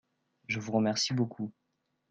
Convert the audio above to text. Je vous remercie beaucoup.